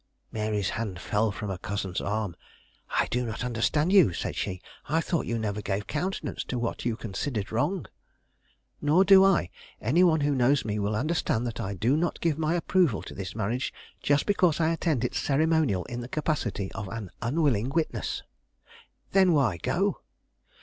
Mary's hand fell from her cousin's arm. "I do not understand you," said she. "I thought you never gave countenance to what you considered wrong." "Nor do I. Any one who knows me will understand that I do not give my approval to this marriage just because I attend its ceremonial in the capacity of an unwilling witness." "Then why go?"